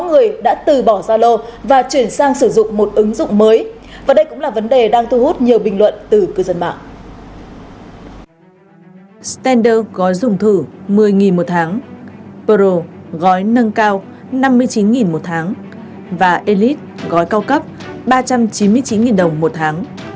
gói nâng cao năm mươi chín một tháng và elite gói cao cấp ba trăm chín mươi chín đồng một tháng